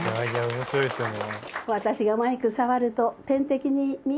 面白いですよね。